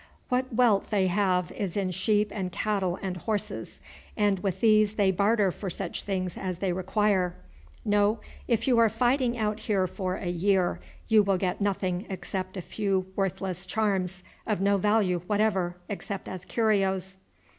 What wealth they have is in sheep and cattle and horses, and with these they barter for such things as they require. No; if you are fighting out here for a year you will get nothing except a few worthless charms, of no value whatever except as curios."